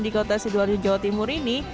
di kota sidoarjo jawa timur ini